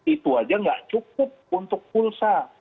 itu saja tidak cukup untuk pulsa